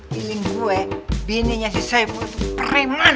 pilih gue bininya si saipul itu preman